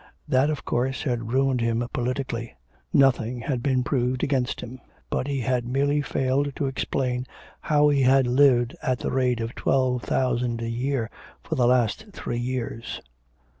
That, of course, had ruined him politically. Nothing had been proved against him, but he had merely failed to explain how he had lived at the rate of twelve thousand a year for the last three years.